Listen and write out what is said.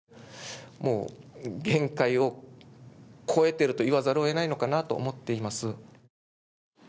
もう限界を超えていると言わざるをえないのかなと思っています。